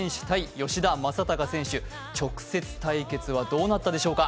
吉田正尚選手、直接対決はどうなったでしょうか。